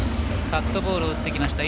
カットボールを打ってきました。